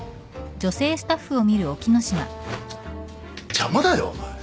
邪魔だよお前。